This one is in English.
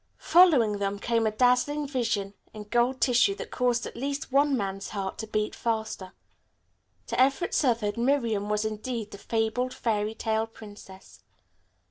Following them came a dazzling vision in gold tissue that caused at least one's man's heart to beat faster. To Everett Southard Miriam was indeed the fabled fairy tale princess.